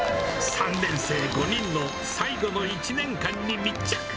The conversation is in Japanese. ３年生５人の、最後の１年間に密着。